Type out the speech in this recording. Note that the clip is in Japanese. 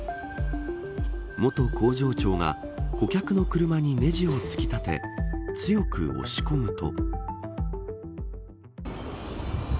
元工場長が顧客の車にネジを突き立て強く押し込むと。